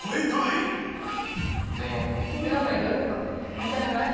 もったいなくない？